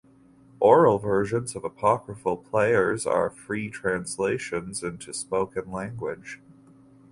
Oral "versions" of apocryphal prayers are free translations into spoken language.